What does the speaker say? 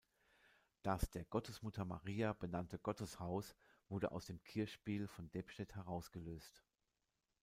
Das der Gottesmutter Maria benannte Gotteshaus wurde aus dem Kirchspiel von Debstedt herausgelöst.